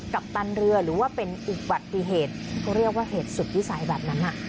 ปันเรือหรือว่าเป็นอุบัติเหตุเขาเรียกว่าเหตุสุดวิสัยแบบนั้น